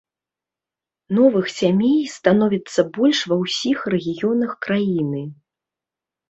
Новых сямей становіцца больш ва ўсіх рэгіёнах краіны.